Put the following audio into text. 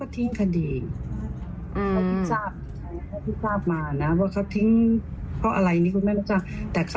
แต่เขาก็ไม่ทำให้เลย